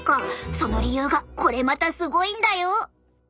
その理由がこれまたすごいんだよ！